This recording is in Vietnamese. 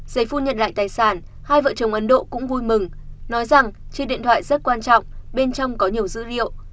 giấy phu nhận lại tài sản hai vợ chồng ấn độ cũng vui mừng nói rằng chiếc điện thoại rất quan trọng bên trong có nhiều dữ liệu